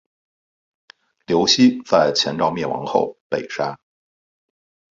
刘熙在前赵灭亡后被杀。